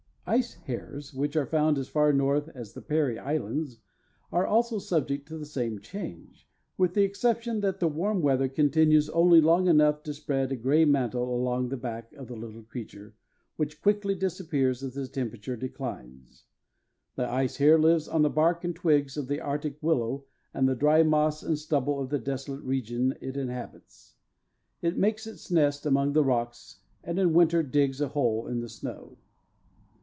Ice hares, which are found as far north as the Parry Islands, are also subject to the same change, with the exception that the warm weather continues only long enough to spread a gray mantle along the back of the little creature, which quickly disappears as the temperature declines. The ice hare lives on the bark and twigs of the arctic willow and the dry moss and stubble of the desolate regions it inhabits. It makes its nest among the rocks, and in winter digs a hole in the snow.